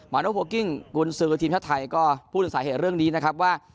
โนโพกิ้งกุญสือทีมชาติไทยก็พูดถึงสาเหตุเรื่องนี้นะครับว่า